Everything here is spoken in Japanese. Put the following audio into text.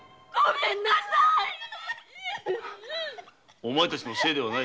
お前たちのせいではない。